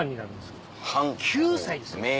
９歳ですよ。